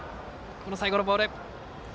この最後のボール。